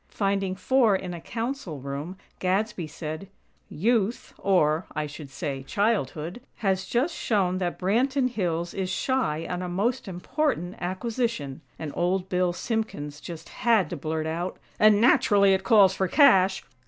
Finding four in a Council room, Gadsby said: "Youth, or, I should say, childhood, has just shown that Branton Hills is shy on a most important acquisition," and Old Bill Simpkins just had to blurt out: "And, naturally, it calls for cash!